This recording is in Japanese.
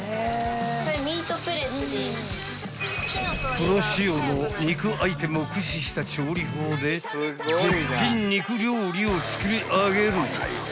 ［プロ仕様の肉アイテムを駆使した調理法で絶品肉料理を作り上げる］